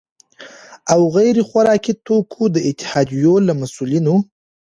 او غیر خوراکي توکو د اتحادیو له مسؤلینو،